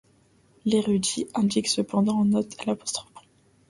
L'érudit indique cependant en note l'.